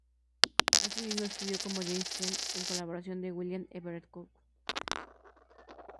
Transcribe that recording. Asimismo, escribió como James Keene en colaboración con William Everett Cook.